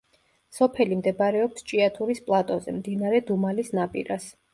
სოფელი მდებარეობს ჭიათურის პლატოზე, მდინარე დუმალის ნაპირას.